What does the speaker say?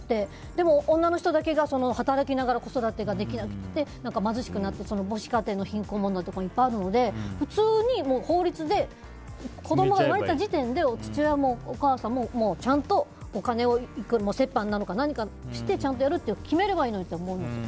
でも、女の人だけが働きながら子育てができなくて貧しくなって母子家庭の貧困問題とかいっぱいあるので普通に法律で子供が生まれた時点で父親もお母さんも、ちゃんとお金を折半なのか何かをしてちゃんとやるって決めればいいのにって思うんですよ。